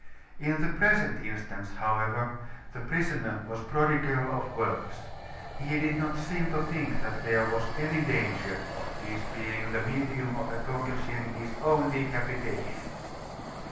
In the present instance, however, the prisoner was prodigal of words. He did not seem to think that there was any danger of his being the medium of accomplishing his own decapitation.